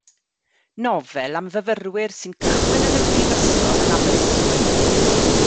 Nofel am fyfyrwyr sy'n cychwyn yn y brifysgol yn Aberystwyth.